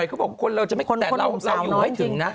อีกหน่อยเขาบอกเราอยู่ให้ถึงนะ